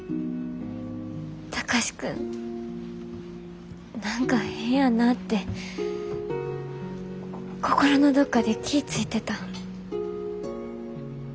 貴司君何か変やなって心のどっかで気ぃ付いてた。